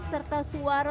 serta suara kuburan